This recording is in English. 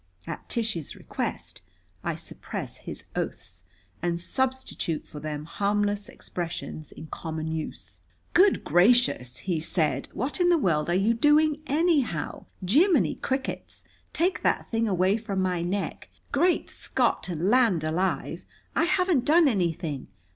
At Tish's request I suppress his oaths, and substitute for them harmless expressions in common use. "Good gracious!" he said. "What in the world are you doing anyhow? Jimminy crickets, take that thing away from my neck! Great Scott and land alive, I haven't done anything!